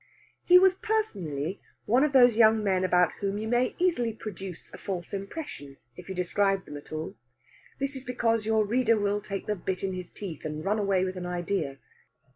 He was personally one of those young men about whom you may easily produce a false impression if you describe them at all. This is because your reader will take the bit in his teeth, and run away with an idea.